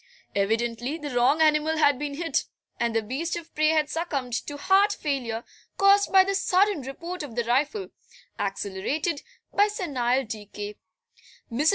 Evidently the wrong animal had been hit, and the beast of prey had succumbed to heart failure, caused by the sudden report of the rifle, accelerated by senile decay. Mrs.